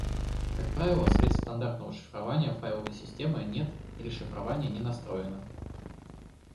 Как правило, средств стандартного шифрования файловой системы нет или шифрование не настроено